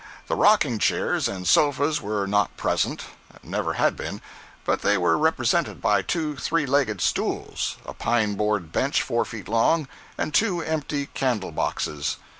The rocking chairs and sofas were not present, and never had been, but they were represented by two three legged stools, a pine board bench four feet long, and two empty candle boxes.